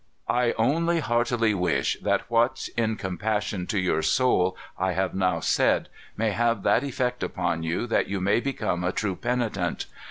"I only heartily wish that what, in compassion to your soul, I have now said, may have that effect upon you that you may become a true penitent.